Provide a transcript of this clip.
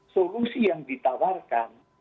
solusi yang ditawarkan